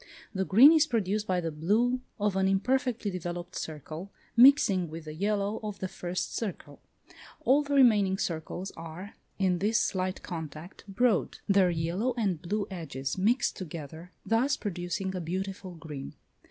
The green is produced by the blue of an imperfectly developed circle, mixing with the yellow of the first circle. All the remaining circles are, in this slight contact, broad; their yellow and blue edges mix together, thus producing a beautiful green.